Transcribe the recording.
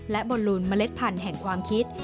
และบอลลูนเมล็ดพันธุ์แห่งความคิด